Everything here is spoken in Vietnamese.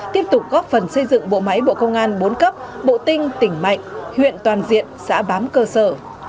tiếp tục góp phần xây dựng bộ máy bộ công an bốn cấp bộ tinh tỉnh mạnh huyện toàn diện xã bám cơ sở